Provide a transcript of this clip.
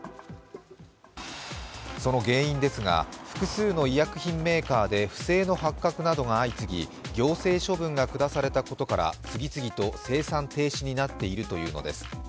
その原因ですが複数の医薬品メーカーで不正の発覚などが相次ぎ行政処分が下されたことから次々と生産停止になっているというのです。